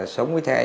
sống với theo